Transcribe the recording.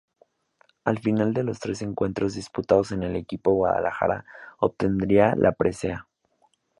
Al final de los tres encuentros disputados el equipo Guadalajara obtendría la presea.